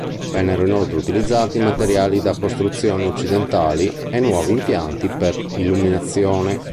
Vennero inoltre utilizzati materiali da costruzione occidentali e nuovi impianti per illuminazione.